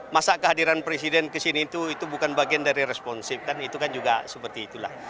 masa kehadiran presiden kesini itu bukan bagian dari responsif kan itu kan juga seperti itulah